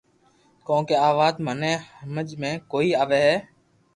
ڪونڪھ آ وات مني ھمگ ۾ڪوئي آوي ھي